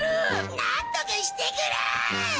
なんとかしてくれ！